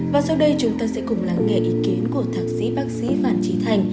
và sau đây chúng ta sẽ cùng lắng nghe ý kiến của thạc sĩ bác sĩ vạn trí thành